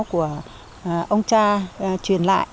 của ông cha truyền lại